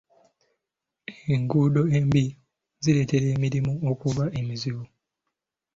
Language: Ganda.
Enguudo embi zireetera emirimu okuba emizibu.